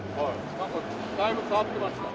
なんかだいぶ変わってました。